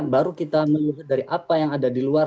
baru kita melihat dari apa yang ada di luar